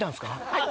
はい。